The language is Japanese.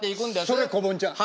それこぼんちゃん。